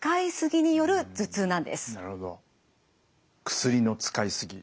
薬の使いすぎ。